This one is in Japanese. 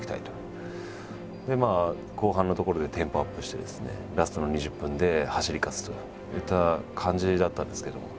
後半のところでテンポアップしてですねラストの２０分で走り勝つといった感じだったんですけども。